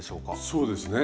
そうですね。